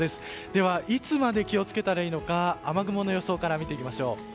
では、いつまで気を付けたらいいのか雨雲の予想から見ていきましょう。